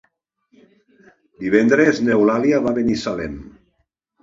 Divendres n'Eulàlia va a Binissalem.